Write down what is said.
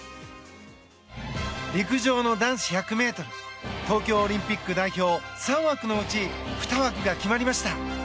陸上の男子１００ｍ東京オリンピック代表３枠のうち２枠が決まりました。